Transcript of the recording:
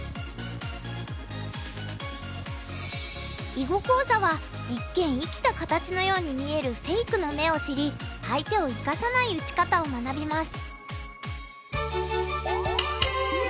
囲碁講座は一見生きた形のように見えるフェイクの目を知り相手を生かさない打ち方を学びます。